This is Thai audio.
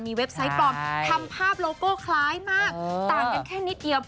เว็บไซต์ปลอมทำภาพโลโก้คล้ายมากต่างกันแค่นิดเดียว